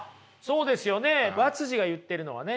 和が言ってるのはね